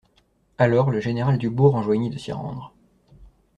Alors le général Dubourg enjoignit de s'y rendre.